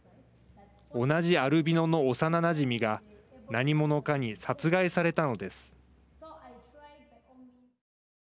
同じアルビノの幼なじみが何者かに殺害されたのです。